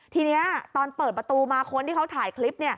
ทีนี้ตอนเปิดประตูมาคนที่เขาถ่ายคลิป